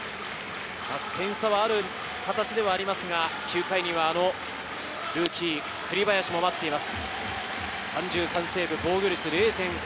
点差はある形ではありますが、９回にはルーキー・栗林も待っています。